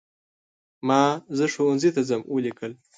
ما "زه ښوونځي ته ځم" ولیکل.